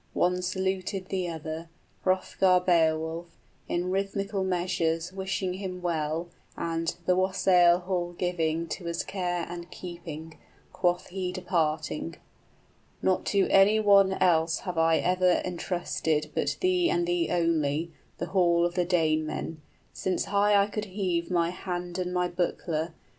One saluted the other, Hrothgar Beowulf, in rhythmical measures, 95 Wishing him well, and, the wassail hall giving To his care and keeping, quoth he departing: "Not to any one else have I ever entrusted, But thee and thee only, the hall of the Danemen, Since high I could heave my hand and my buckler.